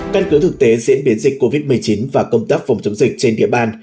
căn cứ thực tế diễn biến dịch covid một mươi chín và công tác phòng chống dịch trên địa bàn